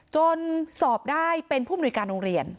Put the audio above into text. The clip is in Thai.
จนสอบได้เป็นผู้มนุยการโรงเรียน